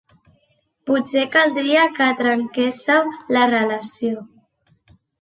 Potser caldria que trenquésseu la relació.